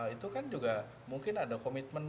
itu kan juga mungkin ada komitmen